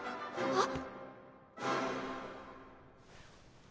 あっ。